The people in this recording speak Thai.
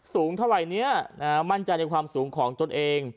สูงเท่าไหร่นี้มั่นใจในความสูงของตนเอง